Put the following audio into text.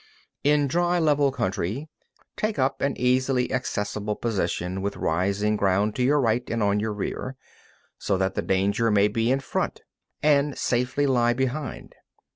9. In dry, level country, take up an easily accessible position with rising ground to your right and on your rear, so that the danger may be in front, and safety lie behind.